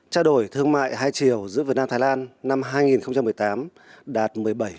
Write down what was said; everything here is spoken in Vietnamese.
trao đổi thương mại hai chiều giữa việt nam thái lan năm hai nghìn một mươi tám đạt một mươi bảy